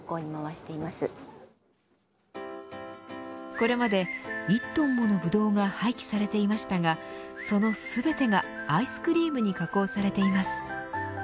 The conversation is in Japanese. これまで、１トンものブドウが廃棄されていましたがその全てがアイスクリームに加工されています。